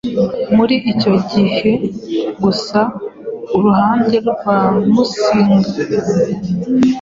Muri icyo gihe gusa uruhande rwa Musinga